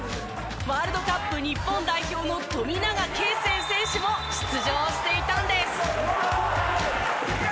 ワールドカップ日本代表の富永啓生選手も出場していたんです。